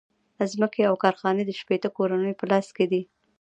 ځمکې او کارخانې د شپیته کورنیو په لاس کې دي